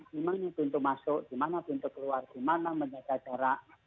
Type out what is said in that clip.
dimana pintu masuk dimana pintu keluar dimana menjaga jarak